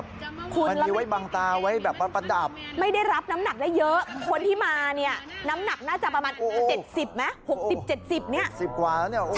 เจ็ดสิบกว่าแล้วเนี่ยใช่ค่ะ